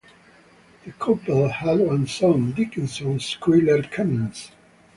The couple had one son, Dickinson Schuyler Cummings.